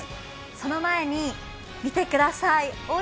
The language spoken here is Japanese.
その前に、見てください